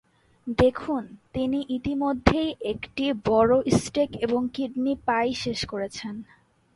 দেখুন, তিনি ইতিমধ্যেই একটি বড় স্টেক এবং কিডনি পাই শেষ করেছেন।